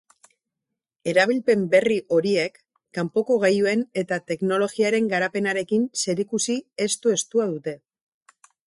Erabilpen berri horiek kanpoko gailuen eta teknologiaren garapenarekin zerikusi estu-estua dute.